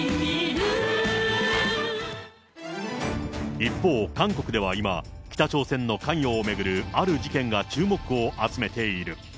一方、韓国では今、北朝鮮の関与を巡るある事件が注目を集めている。